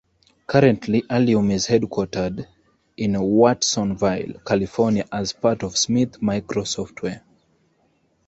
Currently, Allume is headquartered in Watsonville, California, as part of Smith Micro Software.